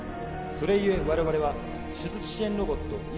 それ故我々は手術支援ロボット